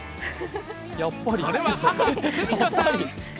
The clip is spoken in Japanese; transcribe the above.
それは母・久美子さん。